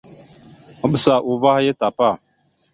Maɓəsa uvah ya tapa.